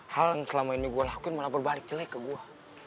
hal yang selama ini gue lakuin malah berbalik jelek ke gue